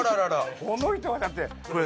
この人はだって。